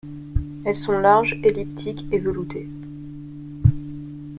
Elles sont larges-elliptiques et veloutées.